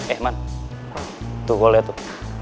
eh man tuh gue liat tuh